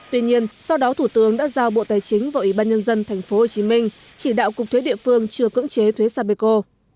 tuy nhiên sau đó thủ tướng đã giao bộ tài chính và ủy ban nhân dân tp hcm chỉ đạo cục thuế địa phương chưa cưỡng chế thuế sapeco